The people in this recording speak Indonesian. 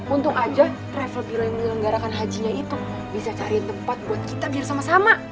untung aja travel bureau yang menggarakan hajinya itu bisa cari tempat buat kita bersama sama